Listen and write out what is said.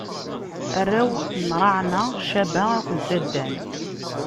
Arraw n Raɛma: Caba akked Dadan.